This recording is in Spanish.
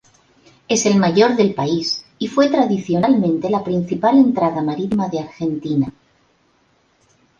Es el mayor del país, y fue tradicionalmente la principal entrada marítima de Argentina.